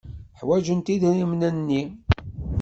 Ḥwajent idrimen-nni.